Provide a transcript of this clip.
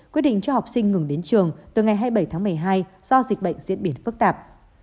quyết định cho học sinh ngừng đến trường từ ngày hai mươi bảy tháng một mươi hai do dịch bệnh diễn biến phức tạp